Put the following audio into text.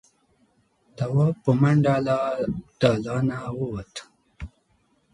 تواب په منډه له دالانه ووت.